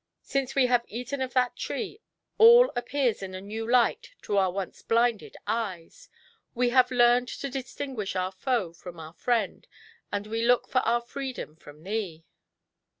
Since we have eaten of that tree, all appears in a new light to our once blinded eyes; we have learned to distmguish our foe from our friend, and we look for our freedom from thee !GIANT HATE.